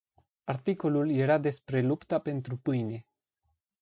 Articolul era despre lupta pentru pâine.